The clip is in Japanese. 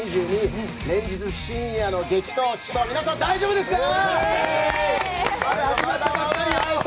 連日深夜の激闘皆さん、大丈夫ですか？